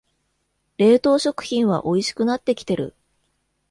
冷凍食品はおいしくなってきてる